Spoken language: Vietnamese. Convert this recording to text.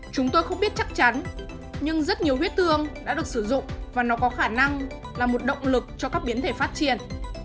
chúng tôi không biết chắc chắn nhưng rất nhiều huyết tương đã được sử dụng và nó có khả năng là một động lực cho các biến thể phát triển